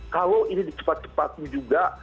kalau ini di cepat cepatkan juga